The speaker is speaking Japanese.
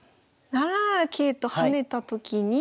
７七桂と跳ねたときに。